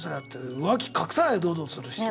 浮気隠さないで堂々とする人とか。